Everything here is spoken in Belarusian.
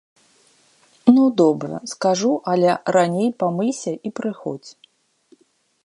Ну, добра, скажу, але раней памыйся і прыходзь.